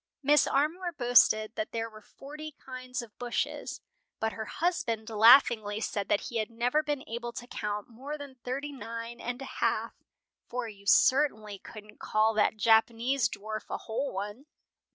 Mrs. Armour boasted that there were forty kinds of bushes, but her husband laughingly said that he had never been able to count more than thirty nine and a half; "for you certainly couldn't call that Japanese dwarf a whole one!"